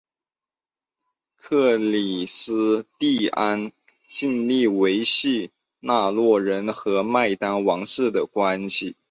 克里斯蒂安尽力维系挪威人和丹麦王室的关系。